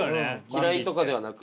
嫌いとかではなく？